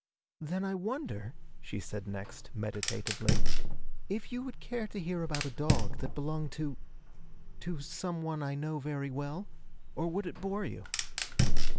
'Then I wonder,' she said next, meditatively, 'if you would care to hear about a dog that belonged to to someone I know very well? Or would it bore you?'